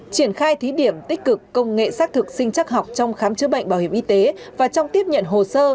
triển khai thí điểm tích cực công nghệ xác thực sinh chắc học trong khám chữa bệnh bảo hiểm y tế và trong tiếp nhận hồ sơ